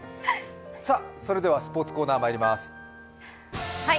それではスポーツコーナーまいります。